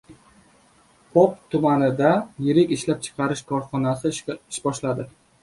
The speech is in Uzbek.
Pop tumanida yirik ishlab chiqarish korxonasi ish boshladi